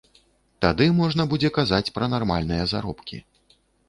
Тады можна будзе казаць пра нармальныя заробкі.